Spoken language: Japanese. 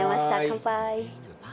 乾杯！